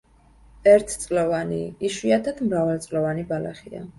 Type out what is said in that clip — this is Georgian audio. ერთწლოვანი, იშვიათად მრავალწლოვანი ბალახია.